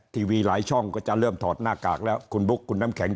ทีวีหลายช่องก็จะเริ่มถอดหน้ากากแล้วคุณบุ๊คคุณน้ำแข็ง